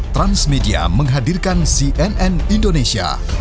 transmedia menghadirkan cnn indonesia